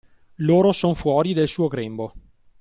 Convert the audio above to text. Loro son fuori del suo grembo.